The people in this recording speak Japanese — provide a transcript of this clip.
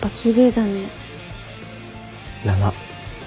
だな。